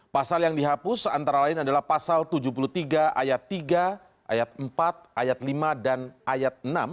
pasal yang dihapus antara lain adalah pasal tujuh puluh tiga ayat tiga ayat empat ayat lima dan ayat enam